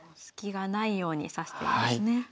スキがないように指してますね。